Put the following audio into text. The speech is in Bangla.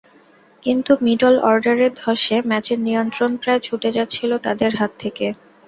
কিন্তু মিডল অর্ডারের ধসে ম্যাচের নিয়ন্ত্রণ প্রায় ছুটে যাচ্ছিল তাদের হাত থেকে।